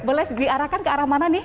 boleh diarahkan ke arah mana nih